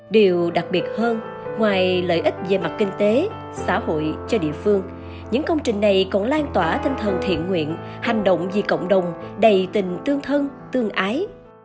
điều đặc biệt hơn ngoài lợi ích về mặt kinh tế xã hội cho địa phương những công trình này còn lan tỏa tinh thần thiện nguyện hành động vì cộng đồng đầy tình tương thân tương ái